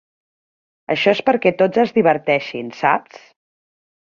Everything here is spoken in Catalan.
Això és perquè tots es diverteixin, saps?